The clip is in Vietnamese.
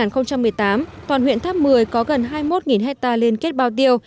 trong năm hai nghìn một mươi tám toàn huyện tháp mười có gần hai mươi một hectare liên kết bao tiêu